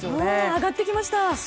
上がってきました。